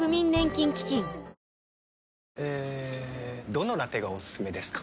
どのラテがおすすめですか？